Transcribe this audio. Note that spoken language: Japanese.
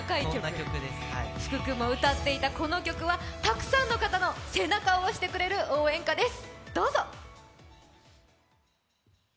福君も歌っていたこの曲は、たくさんの方の背中を押してくれる応援歌です。